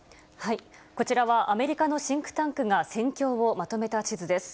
こちらはアメリカのシンクタンクが戦況をまとめた地図です。